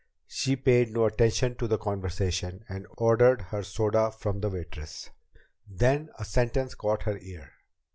She paid no attention to the conversation, and ordered her soda from the waitress. Then a sentence caught her ear.